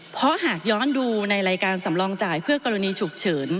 เพราะหากย้อนดูในรายการสำรองจ่ายเพื่อกรณีฉุกเฉิน